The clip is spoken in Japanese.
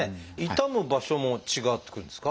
痛む場所も違ってくるんですか？